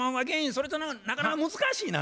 それってなかなか難しいな。